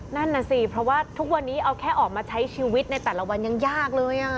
นั่นน่ะสิเพราะว่าทุกวันนี้เอาแค่ออกมาใช้ชีวิตในแต่ละวันยังยากเลย